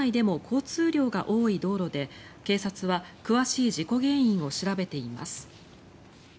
現場は大阪市内でも交通量が多い道路で警察は詳しい事故原因を調べています。